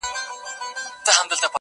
د پاچا احترام فرض و پر ټولو